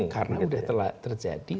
karena sudah telah terjadi